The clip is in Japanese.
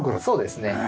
そうですね。